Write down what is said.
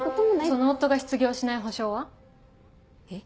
その夫が失業しない保証は？えっ？